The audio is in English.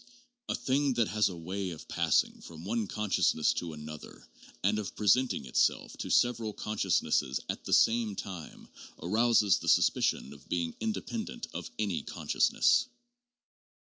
A thing that has a way of passing from one consciousness to another, and of presenting itself to several consciousnesses at the same time, arouses the suspicion of being independent of any con sciousness.